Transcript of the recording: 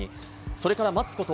それから待つこと